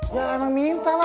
ya emang minta lah